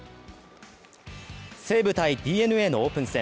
西武×ＤｅＮＡのオープン戦。